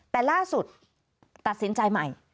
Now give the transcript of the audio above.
แต่ล่าสุดตัดสินใจใหม่